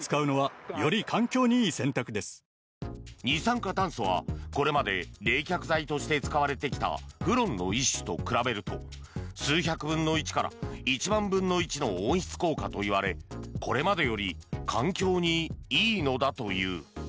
二酸化炭素はこれまで冷却材として使われてきたフロンの一種と比べると数百分の１から１万分の１の温室効果といわれこれまでより環境にいいのだという。